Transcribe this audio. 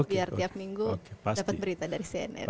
biar tiap minggu dapat berita dari cnn